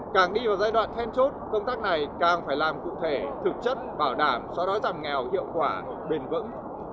càng đi vào giai đoạn then chốt công tác này càng phải làm cụ thể thực chất bảo đảm xóa đói giảm nghèo hiệu quả bền vững